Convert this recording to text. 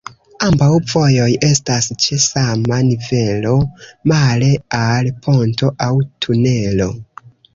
Ambaŭ vojoj estas ĉe sama nivelo, male al ponto aŭ tunelo.